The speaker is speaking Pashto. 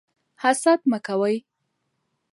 حسد مه کوئ.